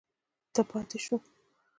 پاتې شو.